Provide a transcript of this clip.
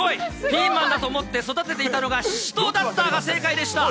ピーマンだと思って育てていたのがシシトウだったが正解でした。